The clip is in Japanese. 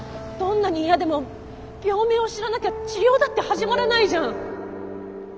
どんなに嫌でも病名を知らなきゃ治療だって始まらないじゃん。